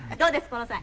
この際。